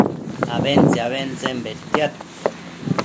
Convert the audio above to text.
abentse-abentsen bedbantiad